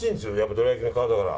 どら焼きの皮だから。